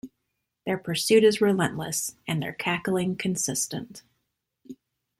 Their pursuit is relentless and their cackling consistent.